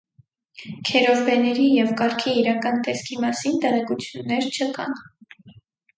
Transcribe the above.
Քերովբեների և կառքի իրական տեսքի մասին տեղեկություններ չկան։